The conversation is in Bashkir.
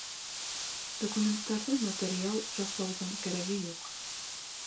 Документтарҙы нотариаль раҫлауҙың кәрәге юҡ.